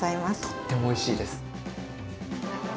とってもおいしいです。